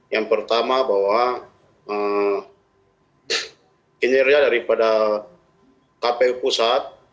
yang pertama bahwa kinerja daripada kpu pusat